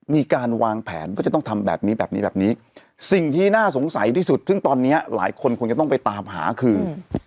มีการวางแผนว่าจะต้องทำแบบนี้แบบนี้แบบนี้แบบนี้สิ่งที่น่าสงสัยที่สุดซึ่งตอนเนี้ยหลายคนคงจะต้องไปตามหาคือ